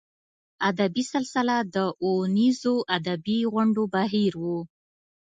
ادبي سلسله د اوونیزو ادبي غونډو بهیر و.